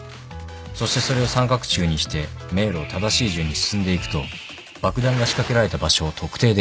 そしてそれを三角柱にして迷路を正しい順に進んでいくと爆弾が仕掛けられた場所を特定できる。